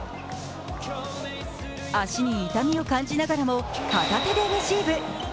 足に痛みを感じながらも片手でレシーブ。